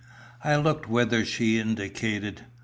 I looked whither she indicated.